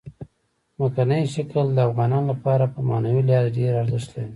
ځمکنی شکل د افغانانو لپاره په معنوي لحاظ ډېر ارزښت لري.